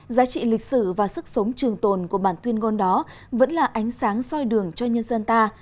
giá trị lịch sử và sức sống trường tồn của bản tuyên ngôn đó vẫn là ánh sáng soi đường cho nhân dân ta